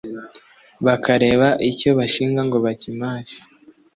bakareba icyo bashinga ngo bakimashe.